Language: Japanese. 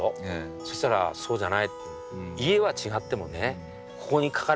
そしたらそうじゃないって。